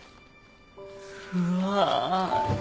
うわ。